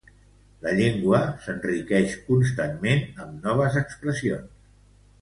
La llengua s'enriqueix constantment amb noves expressions.